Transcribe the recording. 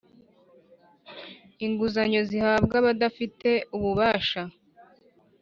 Inguzanyo zihabwa abafite ububasha